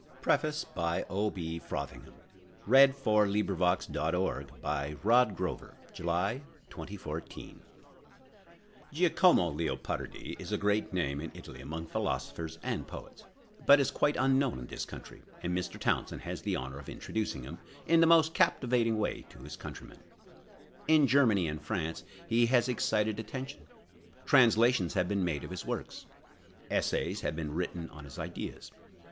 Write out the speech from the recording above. M. SISTER OF THE TRANSLATOR THESE POEMS ARE AFFECTIONATELY INSCRIBED BY THE EDITOR PREFACE. Giacomo Leopardi is a great name in Italy among philosophers and poets, but is quite unknown in this country, and Mr. Townsend has the honor of introducing him, in the most captivating way, to his countrymen. In Germany and France he has excited attention. Translations have been made of his works; essays have been written on his ideas.